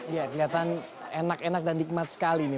ya kelihatan enak enak dan nikmat sekali nih